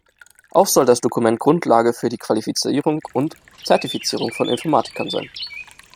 Auch soll das Dokument Grundlage für die Qualifizierung und Zertifizierung von Informatikern sein.